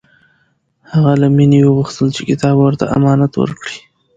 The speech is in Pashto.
هغه له مینې وغوښتل چې کتاب ورته امانت ورکړي